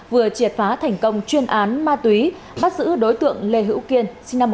vừa triệt phá thành công chuyên án ma túy bắt giữ đối tượng lê hữu kiên